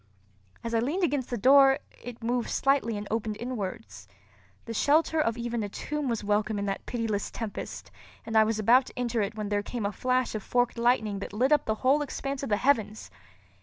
As I leaned against the door, it moved slightly and opened inwards. The shelter of even a tomb was welcome in that pitiless tempest and I was about to enter it when there came a flash of forked lightning that lit up the whole expanse of the heavens.